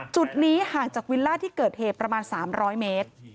จุดนี้ห่างจากวิลล่าที่เกิดเหตุประมาณ๓๐๐เมตร